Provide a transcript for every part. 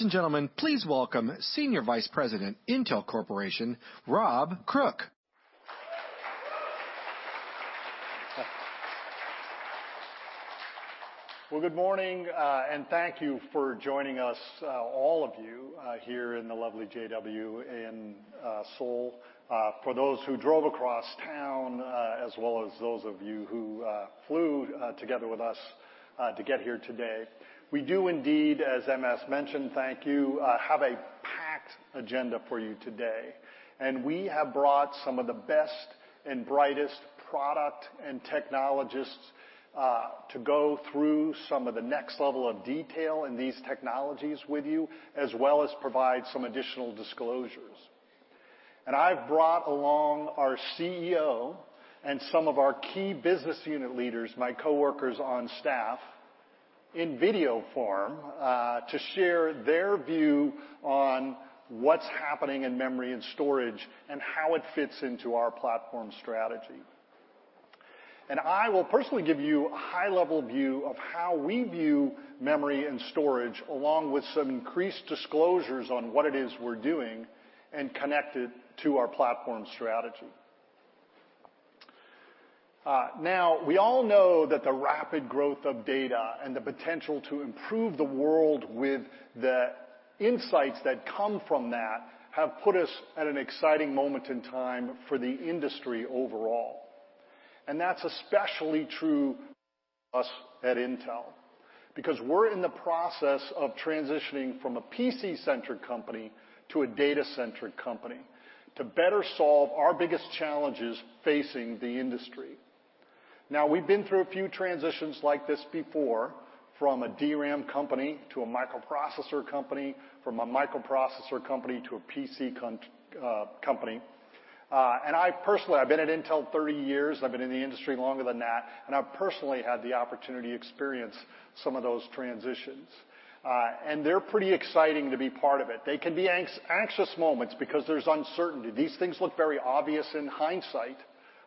Ladies and gentlemen, please welcome Senior Vice President, Intel Corporation, Rob Crooke. Well, good morning, thank you for joining us, all of you here in the lovely JW in Seoul. For those who drove across town, as well as those of you who flew together with us to get here today. We do indeed, as MS mentioned, thank you, have a packed agenda for you today. We have brought some of the best and brightest product and technologists to go through some of the next level of detail in these technologies with you, as well as provide some additional disclosures. I've brought along our CEO and some of our key business unit leaders, my coworkers on staff, in video form to share their view on what's happening in memory and storage and how it fits into our platform strategy. I will personally give you a high-level view of how we view memory and storage, along with some increased disclosures on what it is we're doing and connect it to our platform strategy. We all know that the rapid growth of data and the potential to improve the world with the insights that come from that have put us at an exciting moment in time for the industry overall. That's especially true for us at Intel because we're in the process of transitioning from a PC-centric company to a data-centric company to better solve our biggest challenges facing the industry. We've been through a few transitions like this before, from a DRAM company to a microprocessor company, from a microprocessor company to a PC company. I personally, I've been at Intel 30 years. I've been in the industry longer than that, and I've personally had the opportunity to experience some of those transitions. They're pretty exciting to be part of it. They can be anxious moments because there's uncertainty. These things look very obvious in hindsight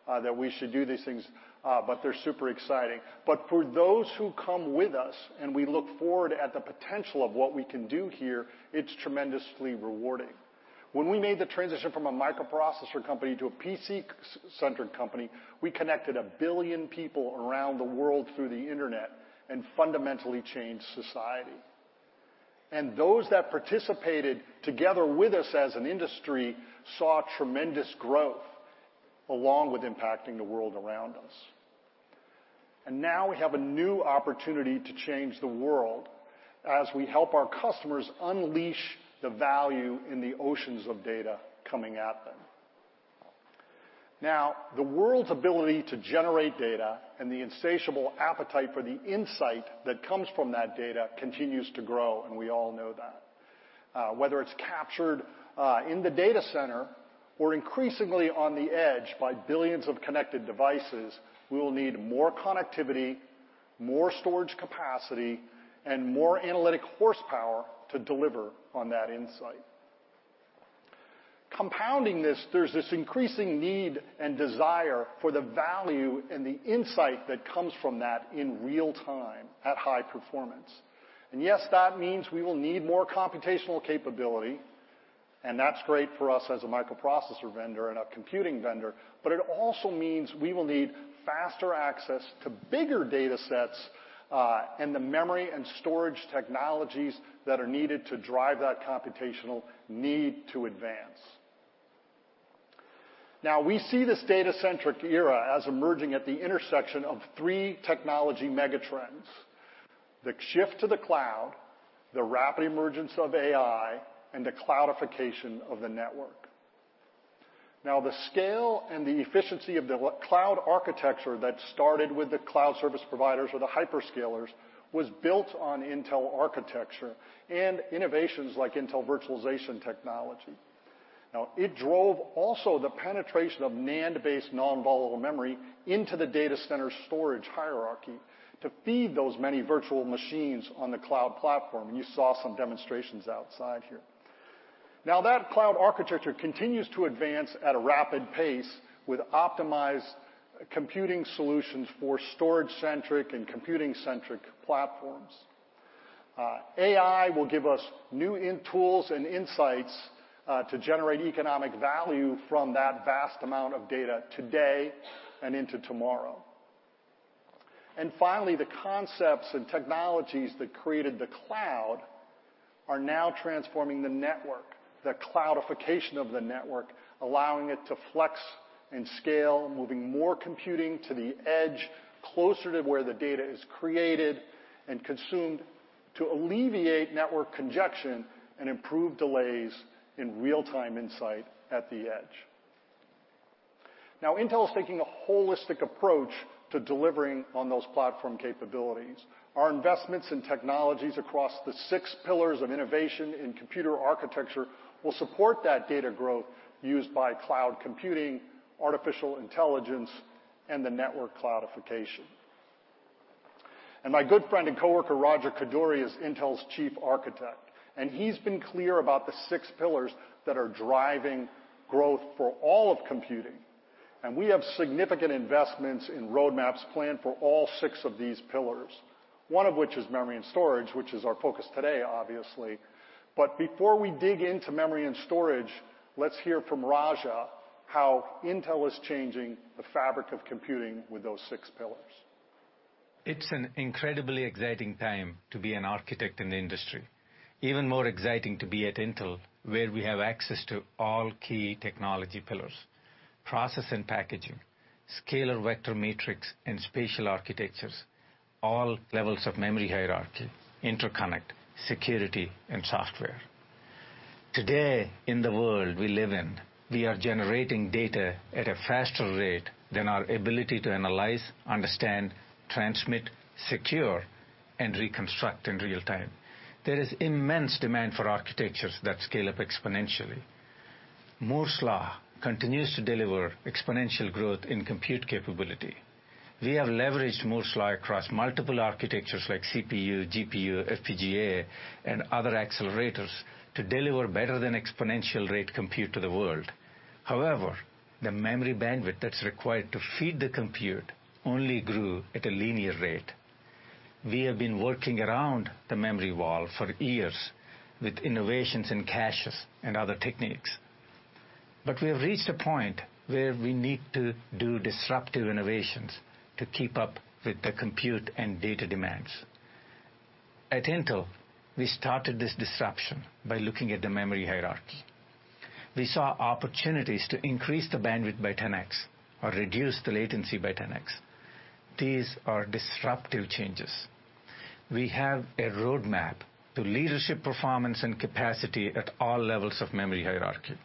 that we should do these things, but they're super exciting. For those who come with us, and we look forward at the potential of what we can do here, it's tremendously rewarding. When we made the transition from a microprocessor company to a PC-centric company, we connected a billion people around the world through the internet and fundamentally changed society. Those that participated together with us as an industry saw tremendous growth along with impacting the world around us. Now we have a new opportunity to change the world as we help our customers unleash the value in the oceans of data coming at them. The world's ability to generate data and the insatiable appetite for the insight that comes from that data continues to grow, and we all know that. Whether it's captured in the data center or increasingly on the edge by billions of connected devices, we will need more connectivity, more storage capacity, and more analytic horsepower to deliver on that insight. Compounding this, there's this increasing need and desire for the value and the insight that comes from that in real time at high performance. Yes, that means we will need more computational capability, and that's great for us as a microprocessor vendor and a computing vendor. It also means we will need faster access to bigger data sets and the memory and storage technologies that are needed to drive that computational need to advance. We see this data-centric era as emerging at the intersection of three technology megatrends, the shift to the cloud, the rapid emergence of AI, and the cloudification of the network. The scale and the efficiency of the cloud architecture that started with the cloud service providers or the hyperscalers was built on Intel architecture and innovations like Intel Virtualization Technology. It drove also the penetration of NAND-based non-volatile memory into the data center storage hierarchy to feed those many virtual machines on the cloud platform. You saw some demonstrations outside here. That cloud architecture continues to advance at a rapid pace with optimized computing solutions for storage-centric and computing-centric platforms. AI will give us new tools and insights to generate economic value from that vast amount of data today and into tomorrow. Finally, the concepts and technologies that created the cloud are now transforming the network, the cloudification of the network, allowing it to flex and scale, moving more computing to the edge closer to where the data is created and consumed to alleviate network congestion and improve delays in real-time insight at the edge. Intel is taking a holistic approach to delivering on those platform capabilities. Our investments in technologies across the six pillars of innovation in computer architecture will support that data growth used by cloud computing, artificial intelligence, and the network cloudification. My good friend and coworker, Raja Koduri, is Intel's Chief Architect, and he's been clear about the six pillars that are driving growth for all of computing. We have significant investments in roadmaps planned for all six of these pillars, one of which is memory and storage, which is our focus today, obviously. Before we dig into memory and storage, let's hear from Raja how Intel is changing the fabric of computing with those six pillars. It's an incredibly exciting time to be an architect in the industry. Even more exciting to be at Intel, where we have access to all key technology pillars, process and packaging, scalar, vector, matrix, and spatial architectures, all levels of memory hierarchy, interconnect, security, and software. Today, in the world we live in, we are generating data at a faster rate than our ability to analyze, understand, transmit, secure, and reconstruct in real time. There is immense demand for architectures that scale up exponentially. Moore's Law continues to deliver exponential growth in compute capability. We have leveraged Moore's Law across multiple architectures like CPU, GPU, FPGA, and other accelerators to deliver better than exponential rate compute to the world. However, the memory bandwidth that's required to feed the compute only grew at a linear rate. We have been working around the memory wall for years with innovations in caches and other techniques. We have reached a point where we need to do disruptive innovations to keep up with the compute and data demands. At Intel, we started this disruption by looking at the memory hierarchy. We saw opportunities to increase the bandwidth by 10X or reduce the latency by 10X. These are disruptive changes. We have a roadmap to leadership performance and capacity at all levels of memory hierarchy,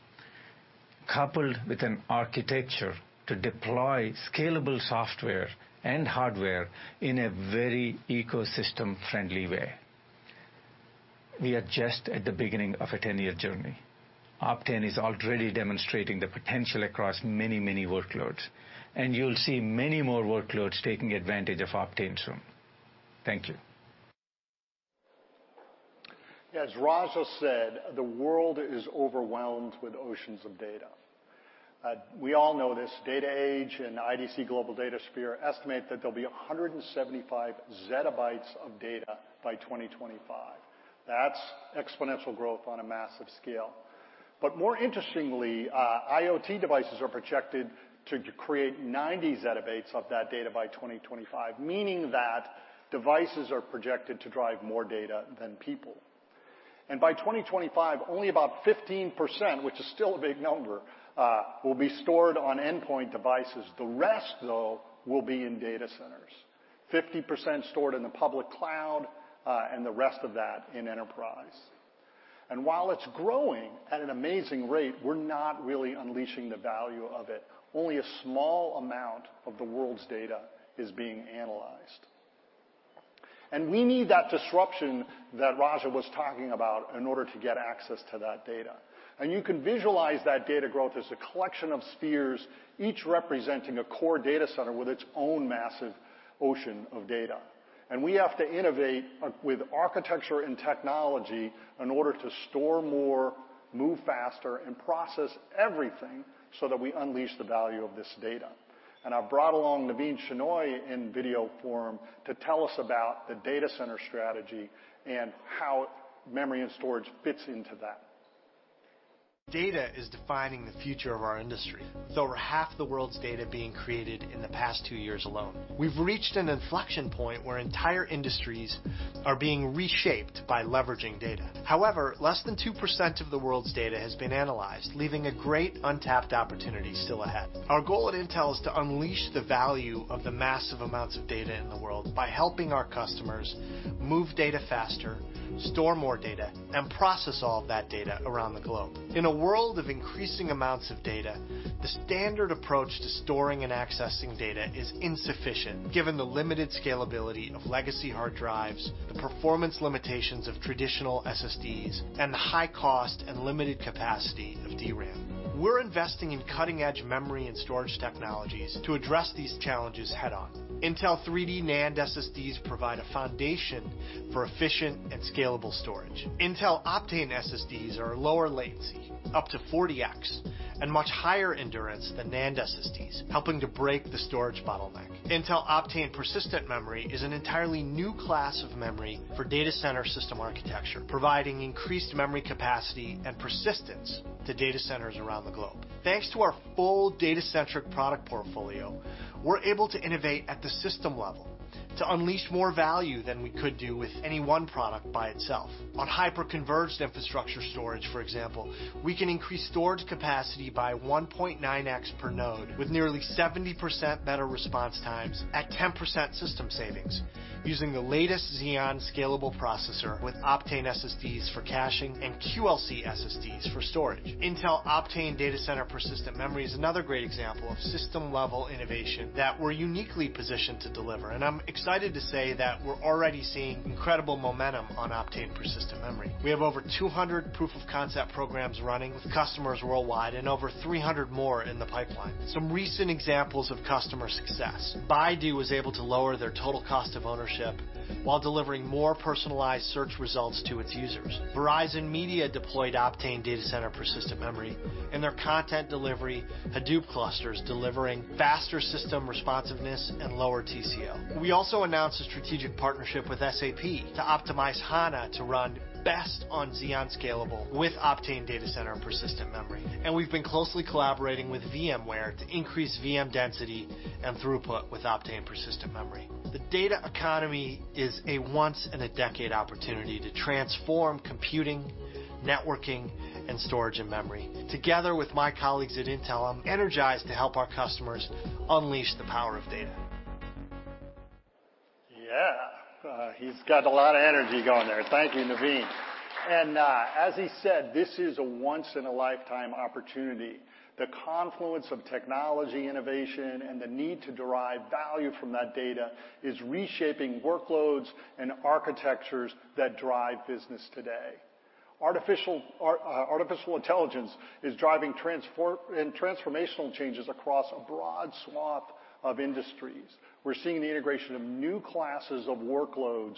coupled with an architecture to deploy scalable software and hardware in a very ecosystem-friendly way. We are just at the beginning of a 10-year journey. Optane is already demonstrating the potential across many, many workloads, and you'll see many more workloads taking advantage of Optane soon. Thank you. Yeah, as Raja said, the world is overwhelmed with oceans of data. We all know this. Data Age and IDC Global DataSphere estimate that there'll be 175 zettabytes of data by 2025. That's exponential growth on a massive scale. More interestingly, IoT devices are projected to create 90 zettabytes of that data by 2025, meaning that devices are projected to drive more data than people. By 2025, only about 15%, which is still a big number, will be stored on endpoint devices. The rest, though, will be in data centers. 50% stored in the public cloud, the rest of that in enterprise. While it's growing at an amazing rate, we're not really unleashing the value of it. Only a small amount of the world's data is being analyzed. We need that disruption that Raja was talking about in order to get access to that data. You can visualize that data growth as a collection of spheres, each representing a core data center with its own massive ocean of data. We have to innovate with architecture and technology in order to store more, move faster, and process everything so that we unleash the value of this data. I've brought along Navin Shenoy in video form to tell us about the data center strategy and how memory and storage fits into that. Data is defining the future of our industry, with over half the world's data being created in the past two years alone. We've reached an inflection point where entire industries are being reshaped by leveraging data. However, less than 2% of the world's data has been analyzed, leaving a great untapped opportunity still ahead. Our goal at Intel is to unleash the value of the massive amounts of data in the world by helping our customers move data faster, store more data, and process all of that data around the globe. In a world of increasing amounts of data, the standard approach to storing and accessing data is insufficient given the limited scalability of legacy hard drives, the performance limitations of traditional SSDs, and the high cost and limited capacity of DRAM. We're investing in cutting-edge memory and storage technologies to address these challenges head-on. Intel 3D NAND SSDs provide a foundation for efficient and scalable storage. Intel Optane SSDs are lower latency, up to 40x, and much higher endurance than NAND SSDs, helping to break the storage bottleneck. Intel Optane persistent memory is an entirely new class of memory for data center system architecture, providing increased memory capacity and persistence to data centers around the globe. Thanks to our full data-centric product portfolio, we're able to innovate at the system level to unleash more value than we could do with any one product by itself. On hyperconverged infrastructure storage, for example, we can increase storage capacity by 1.9x per node with nearly 70% better response times at 10% system savings using the latest Xeon Scalable processor with Optane SSDs for caching and QLC SSDs for storage. Intel Optane Data Center Persistent Memory is another great example of system-level innovation that we're uniquely positioned to deliver. I'm excited to say that we're already seeing incredible momentum on Optane persistent memory. We have over 200 proof-of-concept programs running with customers worldwide and over 300 more in the pipeline. Some recent examples of customer success. Baidu was able to lower their total cost of ownership while delivering more personalized search results to its users. Verizon Media deployed Optane DC persistent memory in their content delivery Hadoop clusters, delivering faster system responsiveness and lower TCO. We also announced a strategic partnership with SAP to optimize HANA to run best on Xeon Scalable with Optane DC persistent memory. We've been closely collaborating with VMware to increase VM density and throughput with Optane persistent memory. The data economy is a once in a decade opportunity to transform computing, networking, and storage, and memory. Together with my colleagues at Intel, I'm energized to help our customers unleash the power of data. Yeah. He's got a lot of energy going there. Thank you, Navin. As he said, this is a once in a lifetime opportunity. The confluence of technology innovation and the need to derive value from that data is reshaping workloads and architectures that drive business today. Artificial intelligence is driving transformational changes across a broad swath of industries. We're seeing the integration of new classes of workloads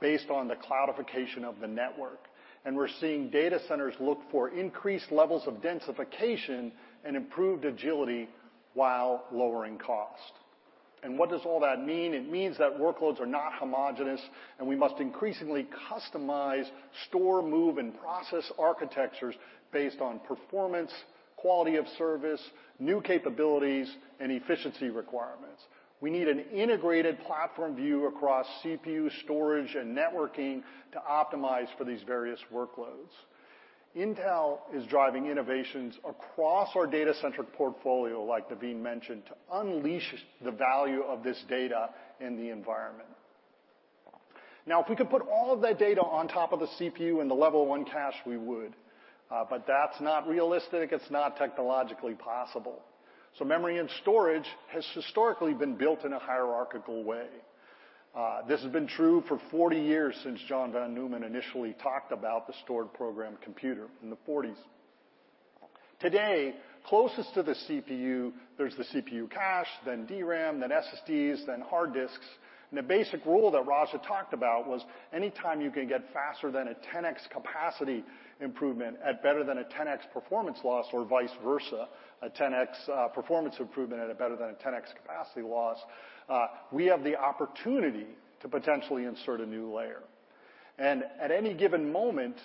based on the cloudification of the network. We're seeing data centers look for increased levels of densification and improved agility while lowering cost. What does all that mean? It means that workloads are not homogenous, and we must increasingly customize, store, move, and process architectures based on performance, quality of service, new capabilities, and efficiency requirements. We need an integrated platform view across CPU storage and networking to optimize for these various workloads. Intel is driving innovations across our data-centric portfolio, like Navin mentioned, to unleash the value of this data in the environment. If we could put all of that data on top of the CPU and the level 1 cache, we would. That's not realistic. It's not technologically possible. Memory and storage has historically been built in a hierarchical way. This has been true for 40 years since John von Neumann initially talked about the stored program computer in the 1940s. Today, closest to the CPU, there's the CPU cache, then DRAM, then SSDs, then hard disks, and the basic rule that Raja talked about was anytime you can get faster than a 10x capacity improvement at better than a 10x performance loss or vice versa, a 10x performance improvement at a better than a 10x capacity loss, we have the opportunity to potentially insert a new layer. At any given moment,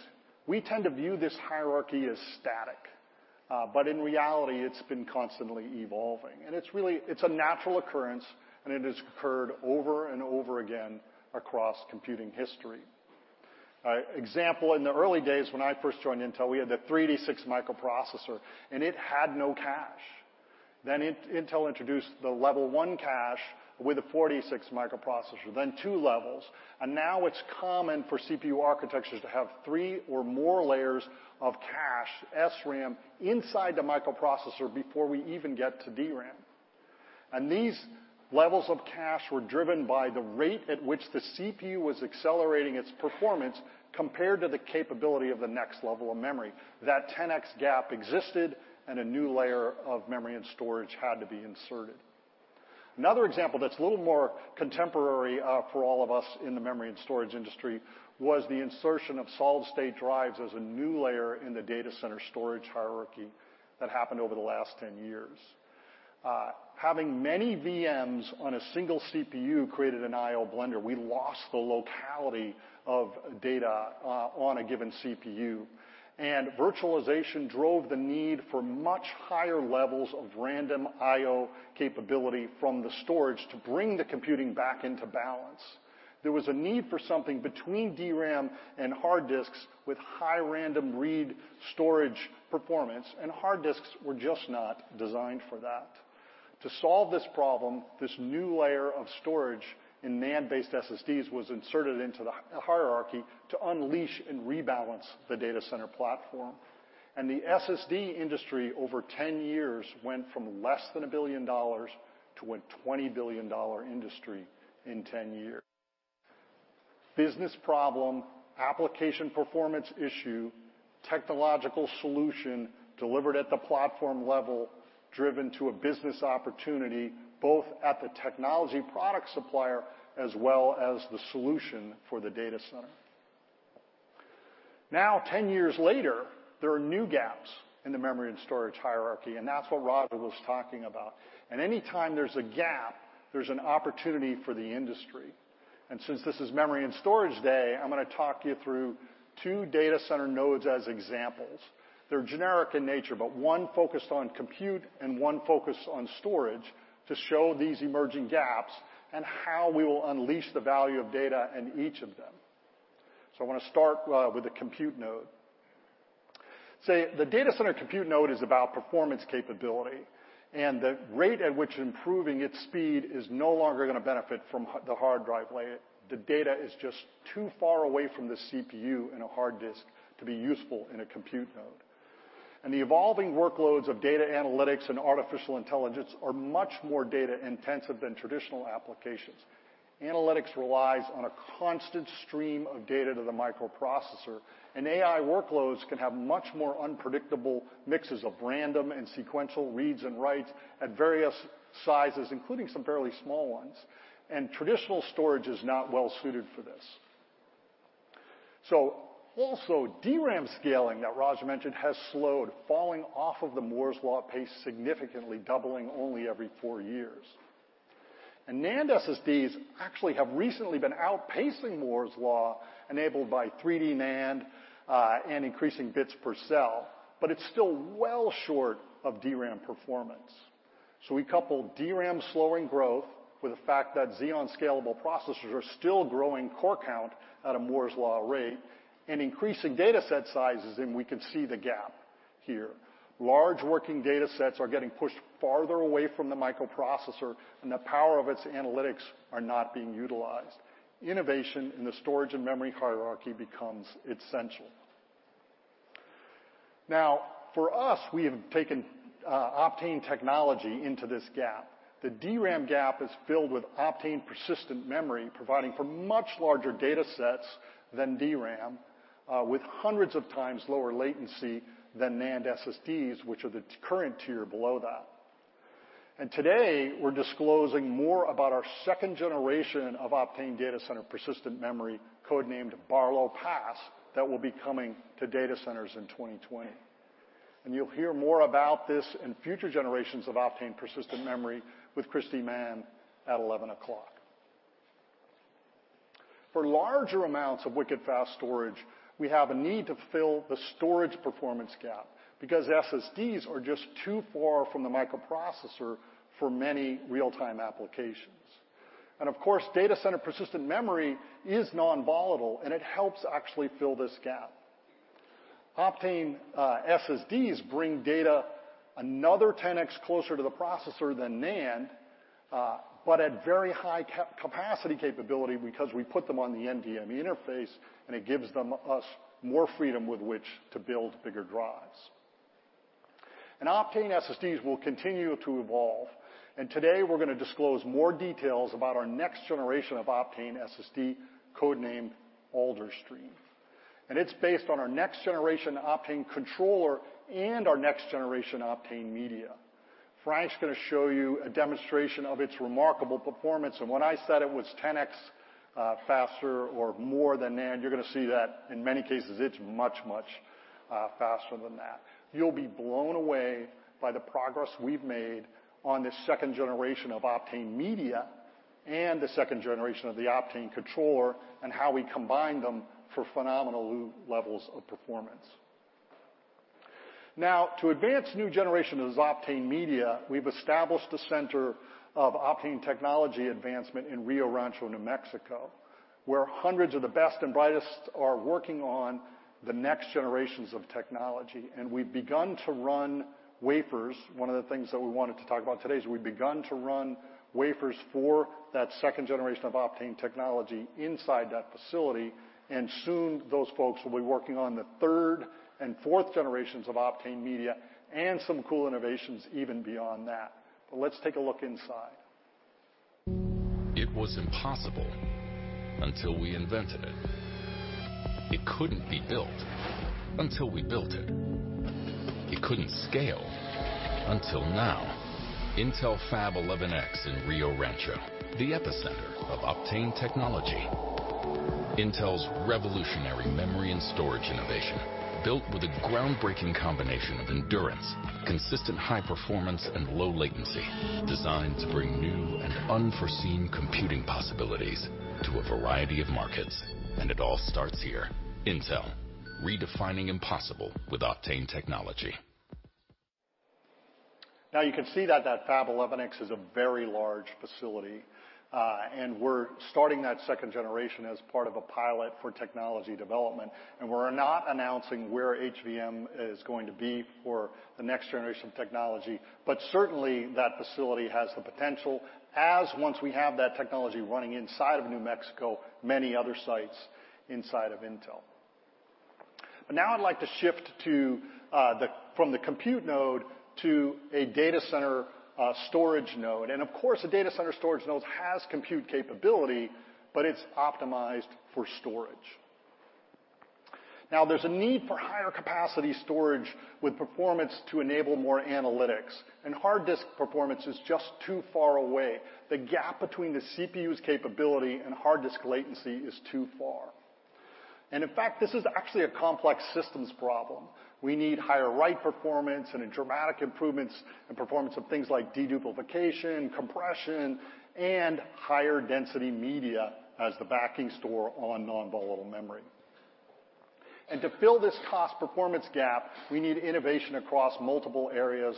we tend to view this hierarchy as static. In reality, it's been constantly evolving. It's a natural occurrence, and it has occurred over and over again across computing history. Example, in the early days when I first joined Intel, we had the 386 microprocessor, and it had no cache. Intel introduced the level 1 cache with a 486 microprocessor, then 2 levels, and now it's common for CPU architectures to have 3 or more layers of cache, SRAM, inside the microprocessor before we even get to DRAM. These levels of cache were driven by the rate at which the CPU was accelerating its performance compared to the capability of the next level of memory. That 10x gap existed and a new layer of memory and storage had to be inserted. Another example that's a little more contemporary for all of us in the memory and storage industry was the insertion of solid-state drives as a new layer in the data center storage hierarchy that happened over the last 10 years. Having many VMs on a single CPU created an I/O blender. We lost the locality of data on a given CPU. Virtualization drove the need for much higher levels of random IO capability from the storage to bring the computing back into balance. There was a need for something between DRAM and hard disks with high random read storage performance, and hard disks were just not designed for that. To solve this problem, this new layer of storage in NAND-based SSDs was inserted into the hierarchy to unleash and rebalance the data center platform. The SSD industry, over 10 years, went from less than $1 billion to a $20 billion industry in 10 years. Business problem, application performance issue, technological solution delivered at the platform level, driven to a business opportunity, both at the technology product supplier as well as the solution for the data center. 10 years later, there are new gaps in the memory and storage hierarchy, and that's what Raja was talking about. Anytime there's a gap, there's an opportunity for the industry. Since this is Memory and Storage Day, I'm going to talk you through two data center nodes as examples. They're generic in nature, but one focused on compute and one focused on storage to show these emerging gaps and how we will unleash the value of data in each of them. I want to start with the compute node. The data center compute node is about performance capability, and the rate at which improving its speed is no longer going to benefit from the hard drive way. The data is just too far away from the CPU in a hard disk to be useful in a compute node. The evolving workloads of data analytics and artificial intelligence are much more data intensive than traditional applications. Analytics relies on a constant stream of data to the microprocessor, and AI workloads can have much more unpredictable mixes of random and sequential reads and writes at various sizes, including some fairly small ones, and traditional storage is not well suited for this. Also DRAM scaling that Raja mentioned has slowed, falling off of the Moore's Law pace, significantly doubling only every four years. NAND SSDs actually have recently been outpacing Moore's Law enabled by 3D NAND, and increasing bits per cell. It's still well short of DRAM performance. We couple DRAM slowing growth with the fact that Xeon Scalable processors are still growing core count at a Moore's Law rate and increasing dataset sizes, and we can see the gap here. Large working datasets are getting pushed farther away from the microprocessor, and the power of its analytics are not being utilized. Innovation in the storage and memory hierarchy becomes essential. For us, we have taken Optane technology into this gap. The DRAM gap is filled with Optane persistent memory, providing for much larger datasets than DRAM, with hundreds of times lower latency than NAND SSDs, which are the current tier below that. Today, we're disclosing more about our second generation of Optane data center persistent memory, code-named Barlow Pass, that will be coming to data centers in 2020. You'll hear more about this in future generations of Optane persistent memory with Kristie Mann at 11 o'clock. For larger amounts of wicked fast storage, we have a need to fill the storage performance gap because SSDs are just too far from the microprocessor for many real-time applications. Of course, data center persistent memory is non-volatile, and it helps actually fill this gap. Optane SSDs bring data another 10X closer to the processor than NAND, but at very high capacity capability because we put them on the NDM interface, and it gives us more freedom with which to build bigger drives. Optane SSDs will continue to evolve. Today, we're going to disclose more details about our next generation of Optane SSD, code-named Alderstream. It's based on our next generation Optane controller and our next generation Optane media. Frank's going to show you a demonstration of its remarkable performance. When I said it was 10X faster or more than NAND, you're going to see that in many cases, it's much, much faster than that. You'll be blown away by the progress we've made on this second generation of Optane media and the second generation of the Optane controller and how we combine them for phenomenal levels of performance. To advance new generations of Optane media, we've established a center of Optane technology advancement in Rio Rancho, New Mexico, where hundreds of the best and brightest are working on the next generations of technology. We've begun to run wafers. One of the things that we wanted to talk about today is we've begun to run wafers for that second generation of Optane technology inside that facility, and soon those folks will be working on the third and fourth generations of Optane media and some cool innovations even beyond that. Let's take a look inside. It was impossible until we invented it. It couldn't be built until we built it. It couldn't scale until now. Intel FAB 11X in Rio Rancho, the epicenter of Optane technology. Intel's revolutionary memory and storage innovation, built with a groundbreaking combination of endurance, consistent high performance, and low latency. Designed to bring new and unforeseen computing possibilities to a variety of markets. It all starts here. Intel, redefining impossible with Optane technology. You can see that that FAB 11X is a very large facility. We're starting that second generation as part of a pilot for technology development. We're not announcing where HVM is going to be for the next generation of technology. Certainly, that facility has the potential, as once we have that technology running inside of New Mexico, many other sites inside of Intel. Now I'd like to shift from the compute node to a data center storage node. Of course, a data center storage node has compute capability, but it's optimized for storage. There's a need for higher capacity storage with performance to enable more analytics, and hard disk performance is just too far away. The gap between the CPU's capability and hard disk latency is too far. In fact, this is actually a complex systems problem. We need higher write performance and dramatic improvements in performance of things like deduplication, compression, and higher density media as the backing store on non-volatile memory. To fill this cost performance gap, we need innovation across multiple areas,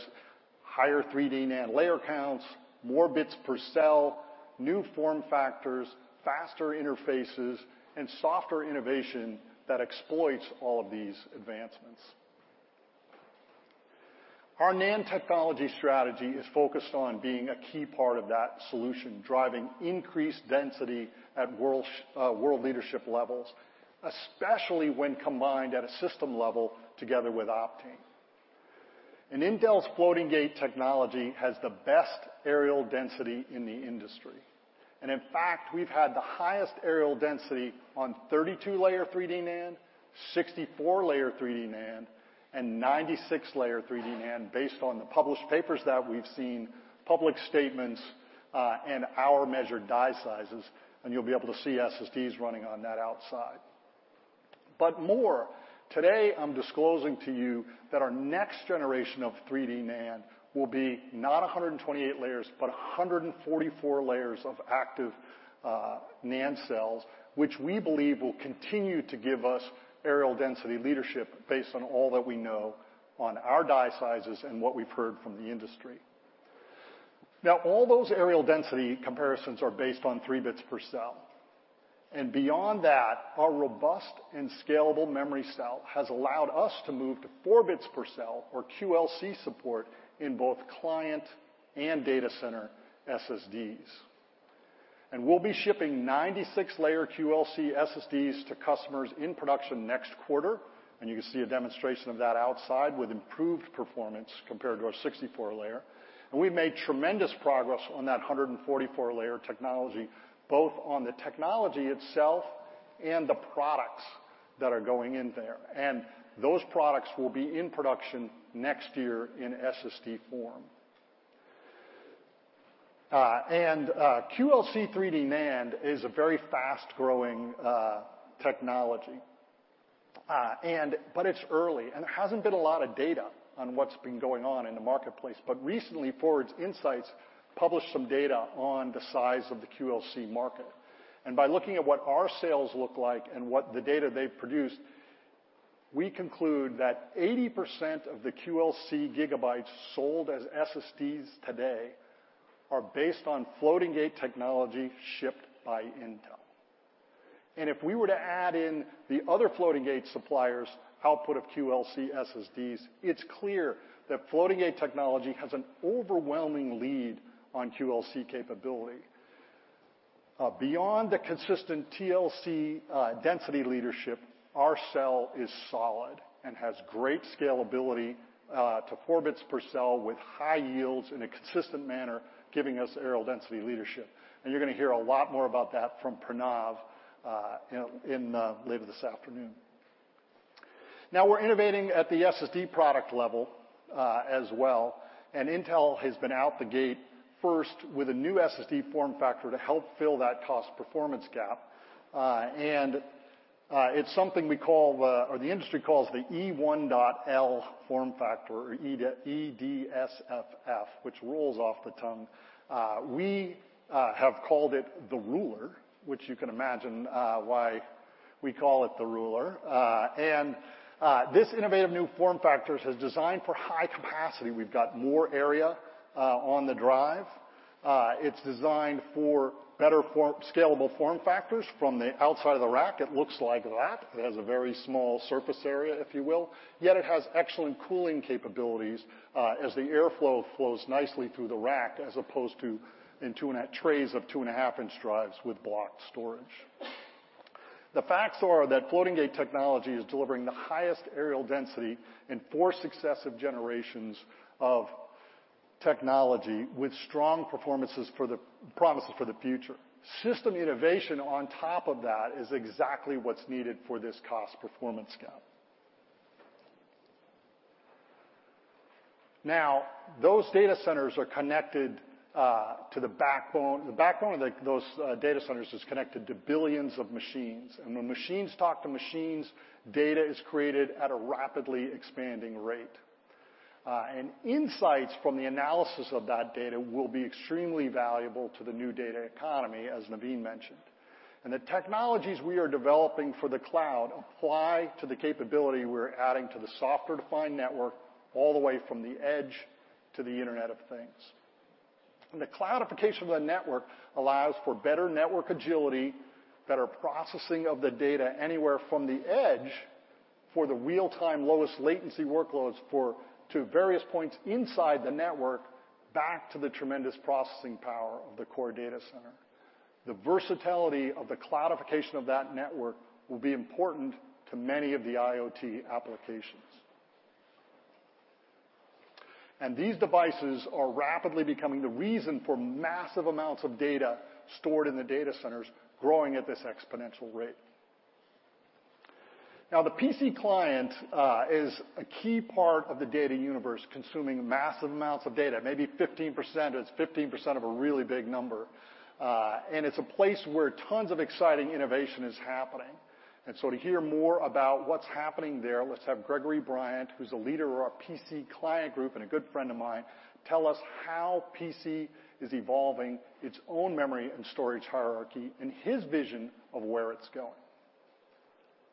higher 3D NAND layer counts, more bits per cell, new form factors, faster interfaces, and software innovation that exploits all of these advancements. Our NAND technology strategy is focused on being a key part of that solution, driving increased density at world leadership levels, especially when combined at a system level together with Optane. Intel's floating-gate technology has the best areal density in the industry. In fact, we've had the highest aerial density on 32-layer 3D NAND, 64-layer 3D NAND, and 96-layer 3D NAND based on the published papers that we've seen, public statements, and our measured die sizes, and you'll be able to see SSDs running on that outside. More, today I'm disclosing to you that our next generation of 3D NAND will be not 128 layers, but 144 layers of active NAND cells, which we believe will continue to give us aerial density leadership based on all that we know on our die sizes and what we've heard from the industry. All those aerial density comparisons are based on three bits per cell. Beyond that, our robust and scalable memory cell has allowed us to move to four bits per cell or QLC support in both client and data center SSDs. We'll be shipping 96-layer QLC SSDs to customers in production next quarter, and you can see a demonstration of that outside with improved performance compared to our 64-layer. We've made tremendous progress on that 144-layer technology, both on the technology itself and the products that are going in there. Those products will be in production next year in SSD form. QLC 3D NAND is a very fast-growing technology. It's early, and there hasn't been a lot of data on what's been going on in the marketplace. Recently, Forward Insights published some data on the size of the QLC market. By looking at what our sales look like and what the data they've produced, we conclude that 80% of the QLC gigabytes sold as SSDs today are based on floating-gate technology shipped by Intel. If we were to add in the other floating-gate suppliers' output of QLC SSDs, it's clear that floating-gate technology has an overwhelming lead on QLC capability. Beyond the consistent TLC density leadership, our cell is solid and has great scalability to four bits per cell with high yields in a consistent manner, giving us aerial density leadership. You're going to hear a lot more about that from Pranav later this afternoon. Now we're innovating at the SSD product level as well. Intel has been out the gate first with a new SSD form factor to help fill that cost performance gap. It's something we call, or the industry calls the E1.L form factor or EDSFF, which rolls off the tongue. We have called it the Ruler, which you can imagine why we call it the Ruler. This innovative new form factor has designed for high capacity. We've got more area on the drive. It's designed for better scalable form factors. From the outside of the rack, it looks like that. It has a very small surface area, if you will, yet it has excellent cooling capabilities as the airflow flows nicely through the rack as opposed to in trays of two-and-a-half inch drives with blocked storage. The facts are that floating-gate technology is delivering the highest aerial density in four successive generations of technology with strong promises for the future. System innovation on top of that is exactly what's needed for this cost performance gap. Those data centers are connected to the backbone. The backbone of those data centers is connected to billions of machines. When machines talk to machines, data is created at a rapidly expanding rate. Insights from the analysis of that data will be extremely valuable to the new data economy, as Navin mentioned. The technologies we are developing for the cloud apply to the capability we're adding to the software-defined network, all the way from the edge to the Internet of Things. The cloudification of the network allows for better network agility, better processing of the data anywhere from the edge for the real-time lowest latency workloads to various points inside the network, back to the tremendous processing power of the core data center. The versatility of the cloudification of that network will be important to many of the IoT applications. These devices are rapidly becoming the reason for massive amounts of data stored in the data centers growing at this exponential rate. Now, the PC client is a key part of the data universe, consuming massive amounts of data, maybe 15%, but it's 15% of a really big number. It's a place where tons of exciting innovation is happening. To hear more about what's happening there, let's have Gregory Bryant, who's the leader of our PC Client Group and a good friend of mine, tell us how PC is evolving its own memory and storage hierarchy and his vision of where it's going.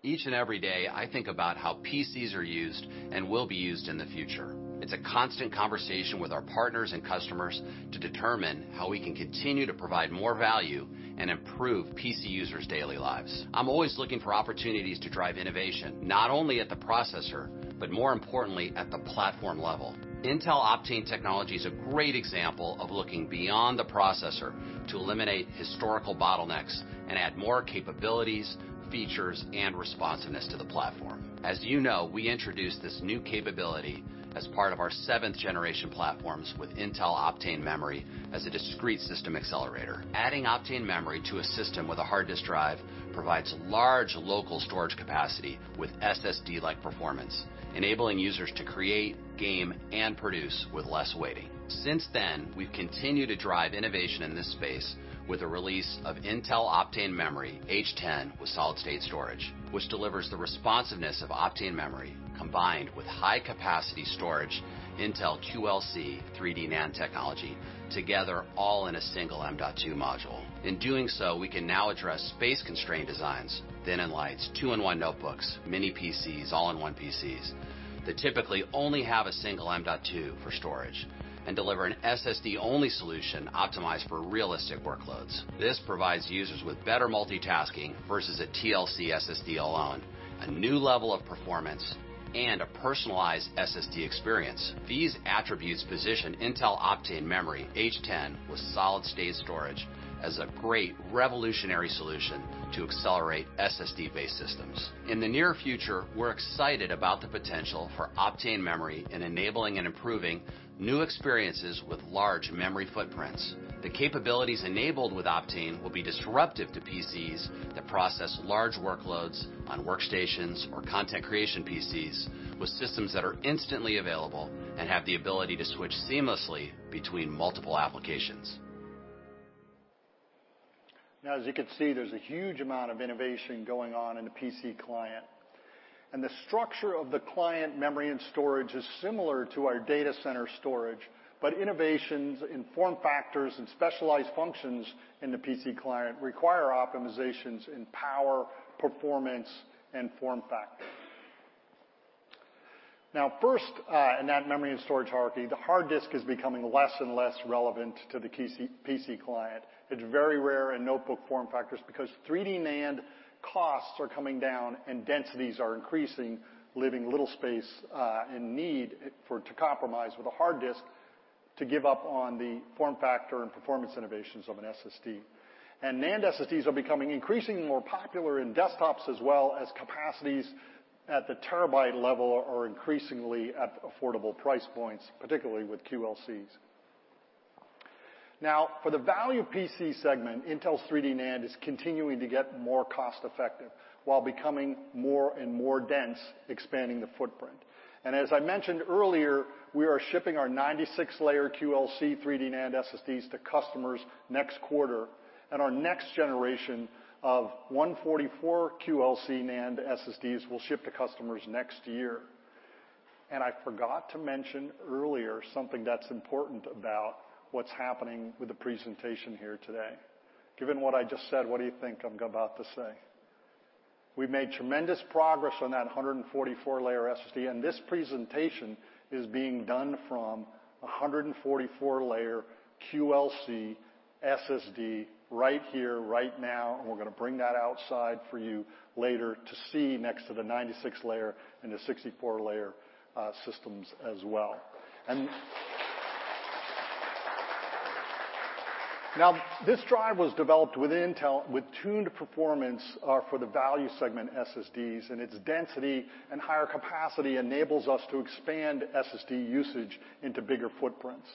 Each and every day, I think about how PCs are used and will be used in the future. It's a constant conversation with our partners and customers to determine how we can continue to provide more value and improve PC users' daily lives. I'm always looking for opportunities to drive innovation, not only at the processor, but more importantly, at the platform level. Intel Optane technology is a great example of looking beyond the processor to eliminate historical bottlenecks and add more capabilities, features, and responsiveness to the platform. As you know, we introduced this new capability as part of our 7th Generation platforms with Intel Optane memory as a discrete system accelerator. Adding Optane memory to a system with a hard disk drive provides large local storage capacity with SSD-like performance, enabling users to create, game, and produce with less waiting. Since then, we've continued to drive innovation in this space with the release of Intel Optane Memory H10 with Solid State Storage, which delivers the responsiveness of Optane memory combined with high-capacity storage Intel QLC 3D NAND technology, together all in a single M.2 module. In doing so, we can now address space-constrained designs, thin and lights, two-in-one notebooks, mini PCs, all-in-one PCs, that typically only have a single M.2 for storage and deliver an SSD-only solution optimized for realistic workloads. This provides users with better multitasking versus a TLC SSD alone, a new level of performance, and a personalized SSD experience. These attributes position Intel Optane Memory H10 with Solid State Storage as a great revolutionary solution to accelerate SSD-based systems. In the near future, we're excited about the potential for Optane memory in enabling and improving new experiences with large memory footprints. The capabilities enabled with Optane will be disruptive to PCs that process large workloads on workstations or content creation PCs with systems that are instantly available and have the ability to switch seamlessly between multiple applications. As you can see, there's a huge amount of innovation going on in the PC client, and the structure of the client memory and storage is similar to our data center storage, but innovations in form factors and specialized functions in the PC client require optimizations in power, performance, and form factor. First in that memory and storage hierarchy, the hard disk is becoming less and less relevant to the PC client. It's very rare in notebook form factors because 3D NAND costs are coming down, and densities are increasing, leaving little space and need to compromise with a hard disk to give up on the form factor and performance innovations of an SSD. NAND SSDs are becoming increasingly more popular in desktops as well as capacities at the terabyte level are increasingly at affordable price points, particularly with QLCs. Now, for the value PC segment, Intel's 3D NAND is continuing to get more cost-effective while becoming more and more dense, expanding the footprint. As I mentioned earlier, we are shipping our 96-layer QLC 3D NAND SSDs to customers next quarter, and our next generation of 144 QLC NAND SSDs will ship to customers next year. I forgot to mention earlier something that's important about what's happening with the presentation here today. Given what I just said, what do you think I'm about to say? We've made tremendous progress on that 144-layer SSD, and this presentation is being done from 144-layer QLC SSD right here, right now, and we're going to bring that outside for you later to see next to the 96-layer and the 64-layer systems as well. This drive was developed with Intel with tuned performance for the value segment SSDs, and its density and higher capacity enables us to expand SSD usage into bigger footprints.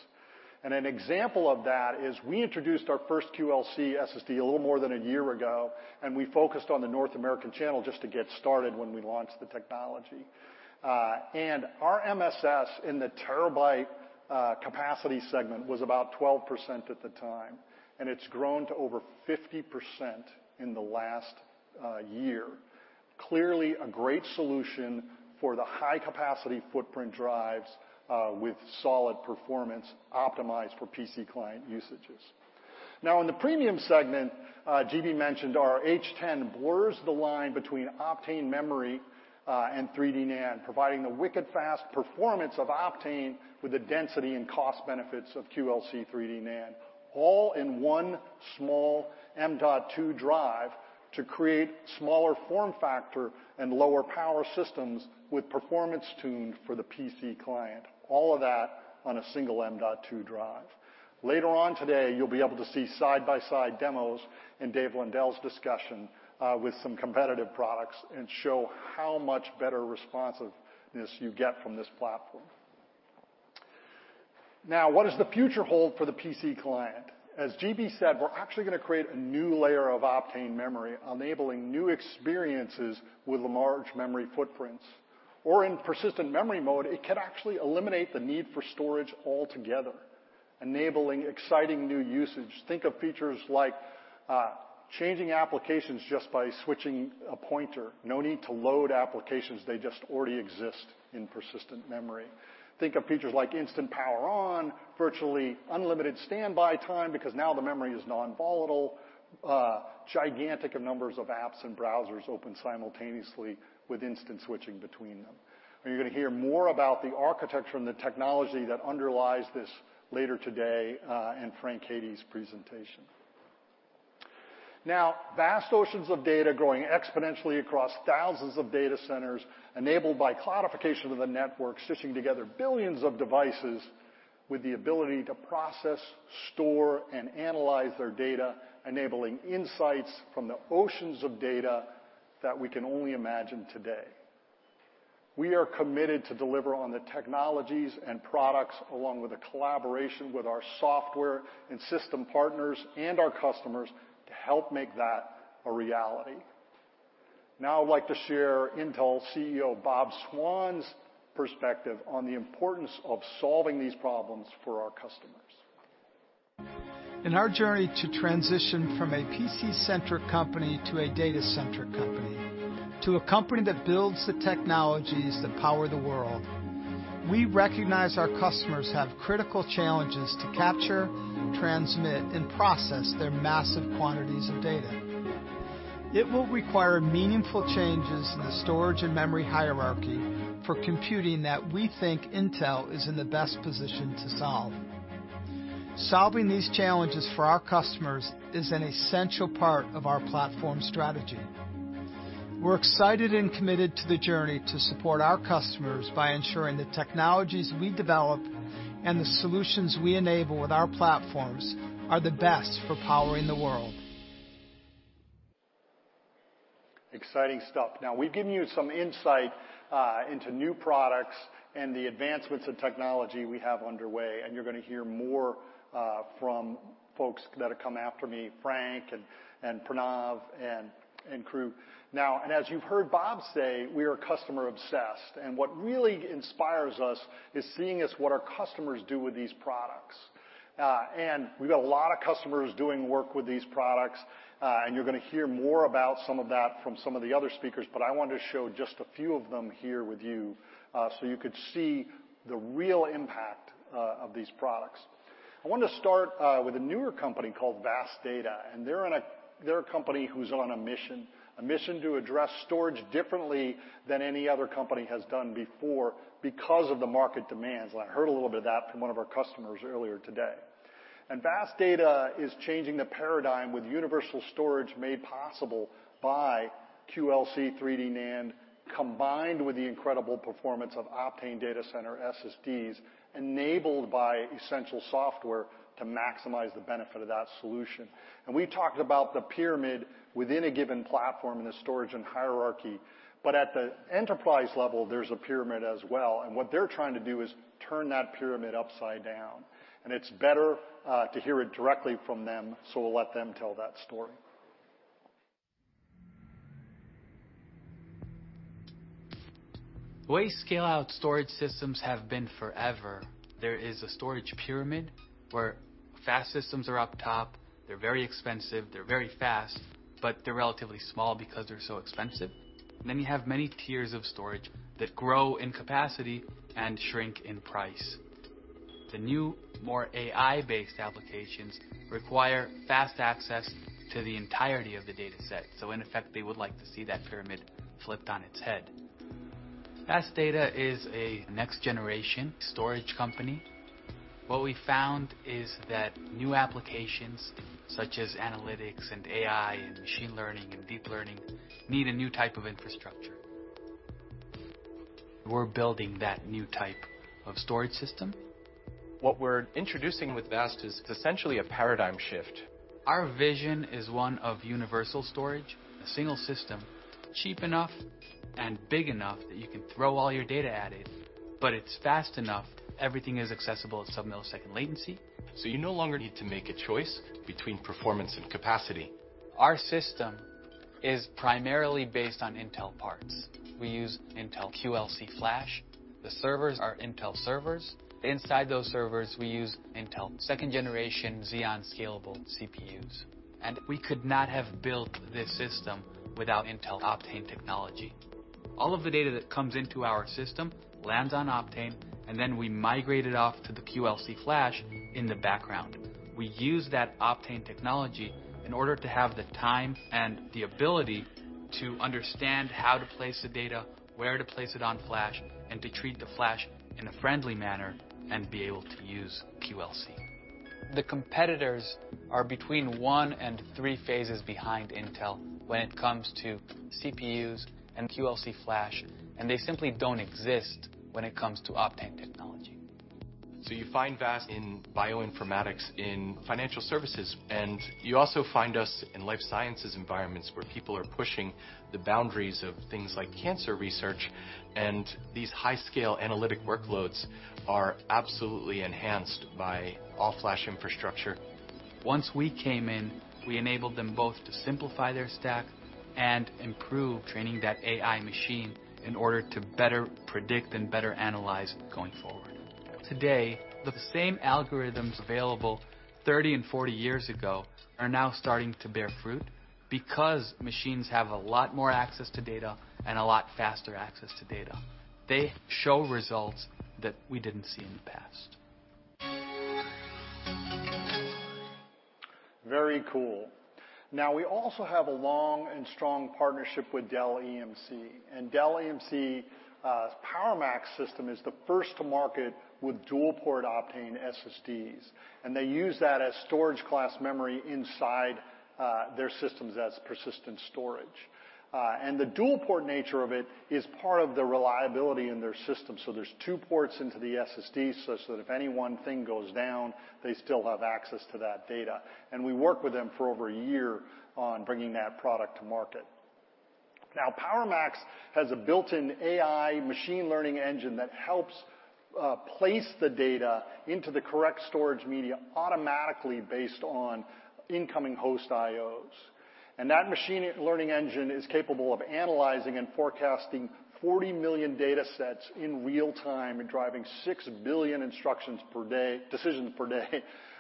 An example of that is we introduced our first QLC SSD a little more than a year ago, and we focused on the North American channel just to get started when we launched the technology. Our MSS in the terabyte capacity segment was about 12% at the time, and it's grown to over 50% in the last year. Clearly a great solution for the high-capacity footprint drives with solid performance optimized for PC client usages. In the premium segment, GB mentioned our H10 blurs the line between Optane memory and 3D NAND, providing the wicked fast performance of Optane with the density and cost benefits of QLC 3D NAND, all in one small M.2 drive to create smaller form factor and lower power systems with performance tuned for the PC client. All of that on a single M.2 drive. Later on today, you'll be able to see side-by-side demos in Dave Zinsner's discussion with some competitive products and show how much better responsiveness you get from this platform. What does the future hold for the PC client? As GB said, we're actually going to create a new layer of Optane memory, enabling new experiences with large memory footprints. In persistent memory mode, it could actually eliminate the need for storage altogether, enabling exciting new usage. Think of features like changing applications just by switching a pointer. No need to load applications, they just already exist in persistent memory. Think of features like instant power on, virtually unlimited standby time because now the memory is non-volatile, gigantic numbers of apps and browsers open simultaneously with instant switching between them. Now you're going to hear more about the architecture and the technology that underlies this later today in Frank Cary's presentation. Now, vast oceans of data growing exponentially across thousands of data centers enabled by cloudification of the network, stitching together billions of devices with the ability to process, storehttps://editor.inflexiontranscribe.com/static/media/icon-play.39003f0a4baacd961cc853b952165cc5.svg, and analyze their data, enabling insights from the oceans of data that we can only imagine today. We are committed to deliver on the technologies and products, along with the collaboration with our software and system partners and our customers to help make that a reality. Now I'd like to share Intel CEO Bob Swan's perspective on the importance of solving these problems for our customers. In our journey to transition from a PC-centric company to a data-centric company, to a company that builds the technologies that power the world, we recognize our customers have critical challenges to capture, transmit, and process their massive quantities of data. It will require meaningful changes in the storage and memory hierarchy for computing that we think Intel is in the best position to solve. Solving these challenges for our customers is an essential part of our platform strategy. We're excited and committed to the journey to support our customers by ensuring the technologies we develop and the solutions we enable with our platforms are the best for powering the world. Exciting stuff. We've given you some insight into new products and the advancements in technology we have underway. You're going to hear more from folks that have come after me, Frank and Pranav, and crew. As you've heard Bob say, we are customer obsessed, and what really inspires us is seeing is what our customers do with these products. We've got a lot of customers doing work with these products. You're going to hear more about some of that from some of the other speakers, but I wanted to show just a few of them here with you, so you could see the real impact of these products. I wanted to start with a newer company called VAST Data, and they're a company who's on a mission. A mission to address storage differently than any other company has done before because of the market demands. I heard a little bit of that from one of our customers earlier today. VAST Data is changing the paradigm with universal storage made possible by QLC 3D NAND, combined with the incredible performance of Optane Data Center SSDs, enabled by essential software to maximize the benefit of that solution. We talked about the pyramid within a given platform and the storage and hierarchy. At the enterprise level, there's a pyramid as well, and what they're trying to do is turn that pyramid upside down. It's better to hear it directly from them, so we'll let them tell that story. The way scale-out storage systems have been forever, there is a storage pyramid where VAST systems are up top. They're very expensive, they're very fast, but they're relatively small because they're so expensive. You have many tiers of storage that grow in capacity and shrink in price. The new, more AI-based applications require fast access to the entirety of the dataset. In effect, they would like to see that pyramid flipped on its head. VAST Data is a next generation storage company. What we found is that new applications such as analytics and AI and machine learning and deep learning need a new type of infrastructure. We're building that new type of storage system. What we're introducing with VAST is essentially a paradigm shift. Our vision is one of universal storage. A single system, cheap enough and big enough that you can throw all your data at it, but it's fast enough, everything is accessible at sub-millisecond latency. You no longer need to make a choice between performance and capacity. Our system is primarily based on Intel parts. We use Intel QLC Flash. The servers are Intel servers. Inside those servers, we use 2nd Gen Intel Xeon Scalable CPUs. We could not have built this system without Intel Optane technology. All of the data that comes into our system lands on Optane, and then we migrate it off to the QLC Flash in the background. We use that Optane technology in order to have the time and the ability to understand how to place the data, where to place it on Flash, and to treat the Flash in a friendly manner and be able to use QLC. The competitors are between one and three phases behind Intel when it comes to CPUs and QLC Flash, and they simply don't exist when it comes to Optane technology. You find VAST-Bioinformatics in financial services. You also find us in life sciences environments where people are pushing the boundaries of things like cancer research, and these high-scale analytic workloads are absolutely enhanced by all-flash infrastructure. Once we came in, we enabled them both to simplify their stack and improve training that AI machine in order to better predict and better analyze going forward. Today, the same algorithms available 30 and 40 years ago are now starting to bear fruit because machines have a lot more access to data and a lot faster access to data. They show results that we didn't see in the past. Very cool. Now, we also have a long and strong partnership with Dell EMC. Dell EMC PowerMax System is the first to market with dual-port Optane SSDs. They use that as storage class memory inside their systems as persistent storage. The dual-port nature of it is part of the reliability in their system. There's two ports into the SSD such that if any one thing goes down, they still have access to that data. We worked with them for over a year on bringing that product to market. Now, PowerMax has a built-in AI machine learning engine that helps place the data into the correct storage media automatically based on incoming host IOs. That machine learning engine is capable of analyzing and forecasting 40 million data sets in real time and driving 6 billion decisions per day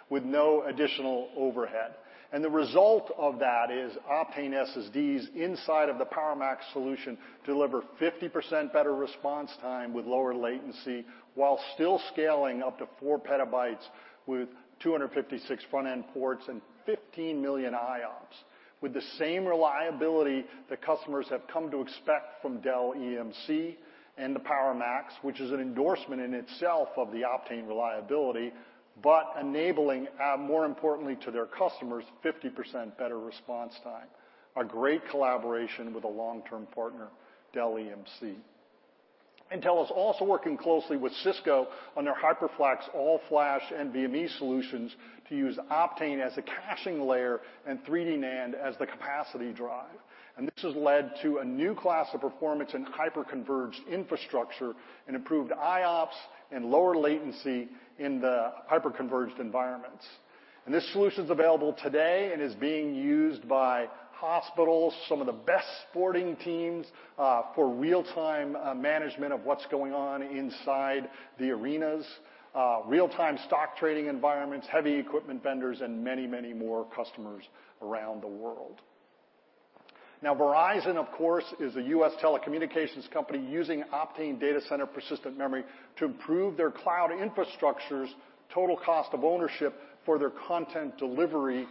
with no additional overhead. The result of that is Optane SSDs inside of the PowerMax solution deliver 50% better response time with lower latency while still scaling up to four petabytes with 256 front-end ports and 15 million IOPS, with the same reliability that customers have come to expect from Dell EMC and the PowerMax, which is an endorsement in itself of the Optane reliability, but enabling, more importantly to their customers, 50% better response time. Intel is also working closely with Cisco on their HyperFlex all-flash NVMe solutions to use Optane as a caching layer and 3D NAND as the capacity drive. This has led to a new class of performance in hyperconverged infrastructure and improved IOPS and lower latency in the hyperconverged environments. This solution's available today and is being used by hospitals, some of the best sporting teams for real-time management of what's going on inside the arenas, real-time stock trading environments, heavy equipment vendors, and many, many more customers around the world. Verizon, of course, is a U.S. telecommunications company using Optane data center persistent memory to improve their cloud infrastructure's total cost of ownership for their content delivery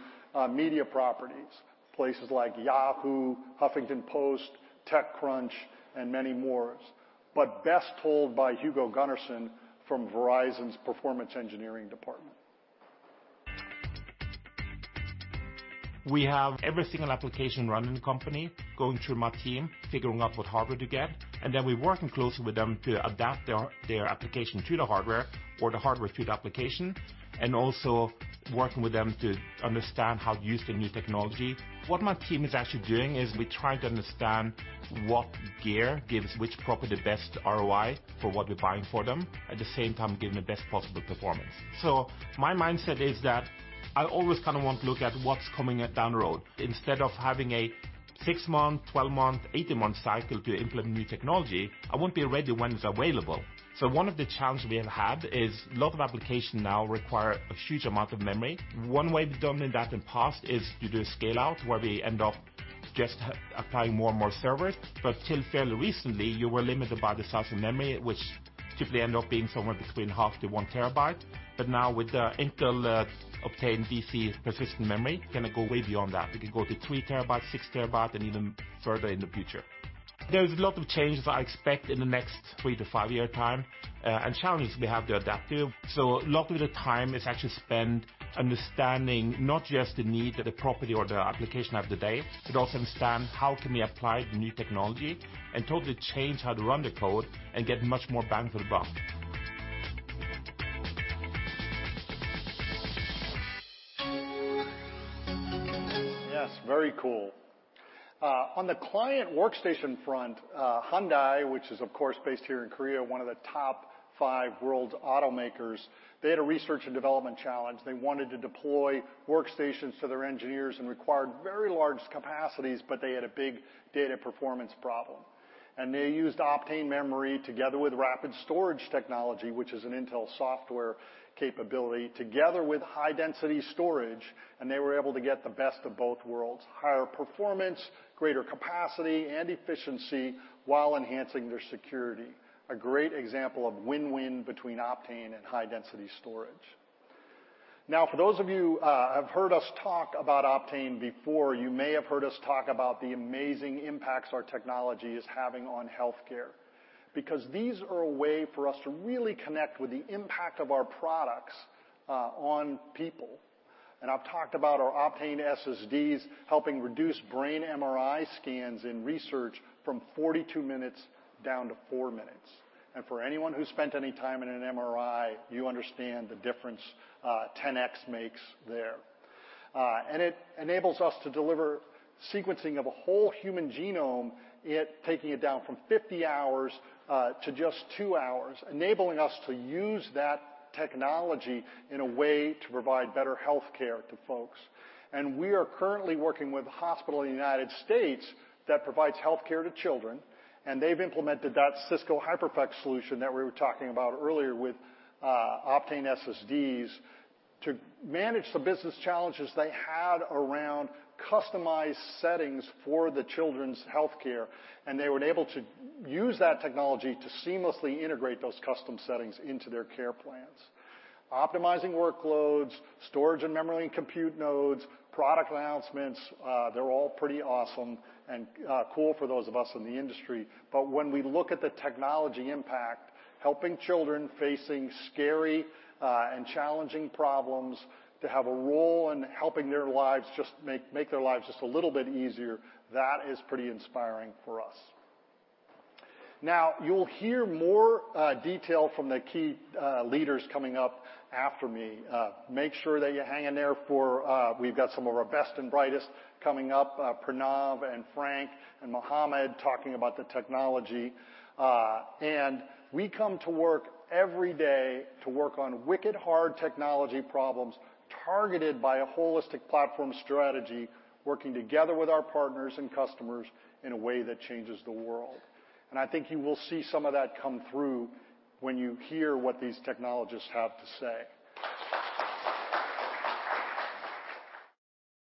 media properties, places like Yahoo, HuffPost, TechCrunch, and many more. Best told by Hugo Gunnarsson from Verizon's Performance Engineering Department. We have every single application run in the company going through my team, figuring out what hardware to get, then we're working closely with them to adapt their application to the hardware or the hardware to the application, and also working with them to understand how to use the new technology. What my team is actually doing is we try to understand what gear gives which property the best ROI for what we're buying for them. At the same time, give them the best possible performance. My mindset is that I always want to look at what's coming down the road. Instead of having a six-month, 12-month, 18-month cycle to implement new technology, I want to be ready when it's available. One of the challenges we have had is a lot of applications now require a huge amount of memory. One way of doing that in the past is you do a scale-out, where we end up just applying more and more servers. Till fairly recently, you were limited by the size of memory, which typically end up being somewhere between half to one terabyte. Now with the Intel Optane DC persistent memory, can go way beyond that. We can go to three terabytes, six terabytes, and even further in the future. There's a lot of changes I expect in the next three to five year time, and challenges we have to adapt to. A lot of the time is actually spent understanding not just the need of the property or the application of the day, but also understand how can we apply the new technology and totally change how to run the code and get much more bang for the buck. Yes, very cool. On the client workstation front, Hyundai, which is of course based here in Korea, one of the top five world automakers, they had a research and development challenge. They wanted to deploy workstations to their engineers and required very large capacities, but they had a big data performance problem. They used Optane memory together with Rapid Storage Technology, which is an Intel software capability, together with high-density storage, and they were able to get the best of both worlds. Higher performance, greater capacity and efficiency while enhancing their security. A great example of win-win between Optane and high-density storage. For those of you who have heard us talk about Optane before, you may have heard us talk about the amazing impacts our technology is having on healthcare. Because these are a way for us to really connect with the impact of our products on people. I've talked about our Optane SSDs helping reduce brain MRI scans in research from 42 minutes down to four minutes. For anyone who's spent any time in an MRI, you understand the difference 10X makes there. It enables us to deliver sequencing of a whole human genome, taking it down from 50 hours to just two hours, enabling us to use that technology in a way to provide better healthcare to folks. We are currently working with a hospital in the U.S. that provides healthcare to children, and they've implemented that Cisco HyperFlex solution that we were talking about earlier with Optane SSDs to manage the business challenges they had around customized settings for the children's healthcare. They were able to use that technology to seamlessly integrate those custom settings into their care plans. Optimizing workloads, storage and memory compute nodes, product announcements, they're all pretty awesome and cool for those of us in the industry. When we look at the technology impact, helping children facing scary and challenging problems to have a role in helping make their lives just a little bit easier, that is pretty inspiring for us. Now, you'll hear more detail from the key leaders coming up after me. Make sure that you hang in there for we've got some of our best and brightest coming up, Pranav and Frank and Mohammed, talking about the technology. We come to work every day to work on wicked hard technology problems targeted by a holistic platform strategy, working together with our partners and customers in a way that changes the world. I think you will see some of that come through when you hear what these technologists have to say.